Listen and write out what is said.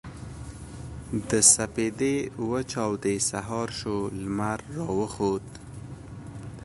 د سپـېدې وچـاودې سـهار شـو لمـر راوخـت.